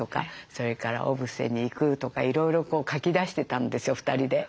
それから小布施に行くとかいろいろこう書き出してたんですよ２人で。